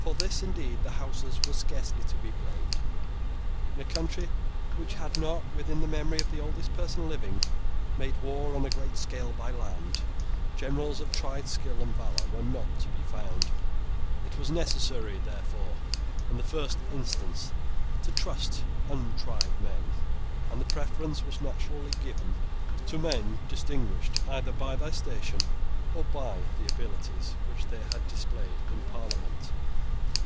For this, indeed, the Houses are scarcely to be blamed. In a country which had not, within the memory of the oldest person living, made war on a great scale by land, generals of tried skill and valour were not to be found. It was necessary, therefore, in the first instance, to trust untried men; and the preference was naturally given to men distinguished either by their station, or by the abilities which they had displayed in Parliament.